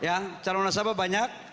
ya calon nasabah banyak